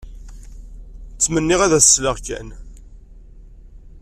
Ttmenniɣ ad as-selleɣ kan.